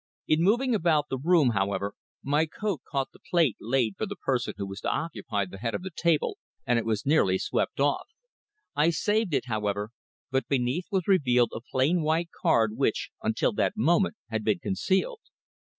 In moving about the room, however, my coat caught the plate laid for the person who was to occupy the head of the table, and it was nearly swept off. I saved it, however, but beneath was revealed a plain white card which, until that moment, had been concealed.